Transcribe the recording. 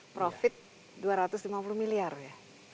profit dua ratus lima puluh miliar ya